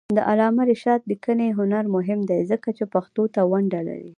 د علامه رشاد لیکنی هنر مهم دی ځکه چې پښتو ته ونډه لري.